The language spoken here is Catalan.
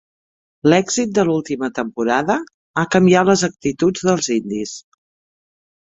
L"èxit de l"última temporada ha canviat les actituds dels indis.